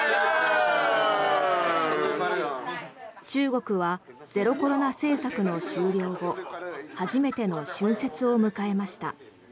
中国はゼロコロナ政策の終了後初めての春節を迎えました。